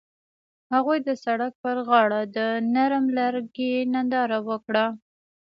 هغوی د سړک پر غاړه د نرم لرګی ننداره وکړه.